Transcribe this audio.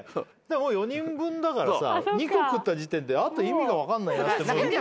４人分だからさ２個食った時点で意味が分かんないなって。